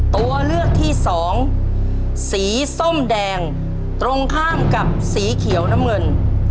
ตัวเลือกที่สองสีส้มแดงตรงข้ามกับสีเขียวน้ำเงิน